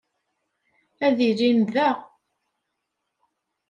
Ad ilin da.